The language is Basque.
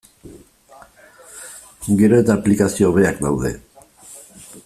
Gero eta aplikazio hobeak daude.